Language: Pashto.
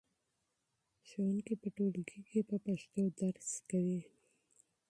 ښوونکي په ټولګي کې په پښتو تدریس کوي.